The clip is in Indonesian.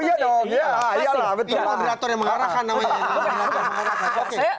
pilih moderator yang mengarahkan namanya